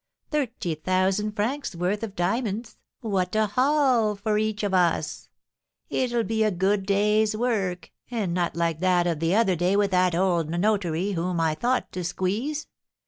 Thirty thousand francs' worth of diamonds, what a 'haul' for each of us! It'll be a good day's work, and not like that of the other day with that old notary whom I thought to squeeze.